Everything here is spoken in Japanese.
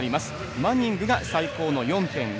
マニングが最高の４．５。